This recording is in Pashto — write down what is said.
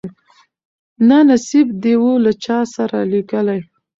نه نصیب دي وو له چا سره لیکلی